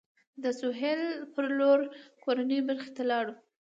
د سهیل پر لور کورنۍ برخې ته لاړو.